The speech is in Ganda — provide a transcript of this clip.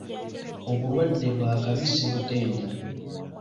Obulwadde bwa kabi sibutenda.